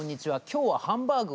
今日はハンバーグを」